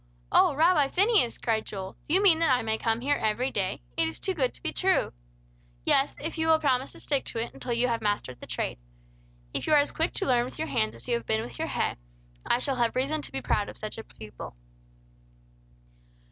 "Oh, Rabbi Phineas!" cried Joel. "Do you mean that I may come here every day? It is too good to be true!" "Yes; if you will promise to stick to it until you have mastered the trade. If you are as quick to learn with your hands as you have been with your head, I shall have reason to be proud of such a pupil."